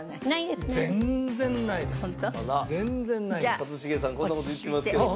一茂さんこんな事言ってますけども。